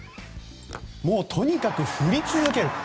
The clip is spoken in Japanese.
もうとにかく振り続ける。